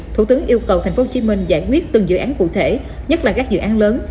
thủ tướng yêu cầu tp hcm giải quyết từng dự án cụ thể nhất là các dự án lớn